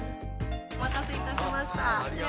お待たせいたしました